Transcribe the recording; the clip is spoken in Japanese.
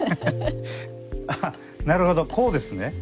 あっなるほどこうですね。